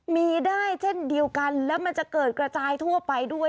มีได้เช่นเดียวกันแล้วมันจะเกิดกระจายทั่วไปด้วย